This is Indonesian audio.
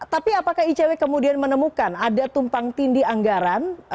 tapi apakah icw kemudian menemukan ada tumpang tindi anggaran